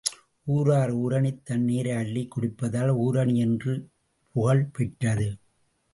ஊரார் ஊருணித் தண்ணீரை அள்ளிக் குடிப்பதால் ஊருணி என்று புகழ் பெற்றது.